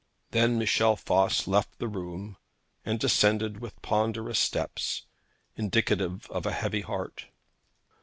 Then Michel Voss left the room and descended with ponderous steps, indicative of a heavy heart.